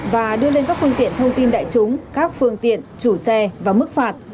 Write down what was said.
và đưa lên các phương tiện thông tin đại chúng các phương tiện chủ xe và mức phạt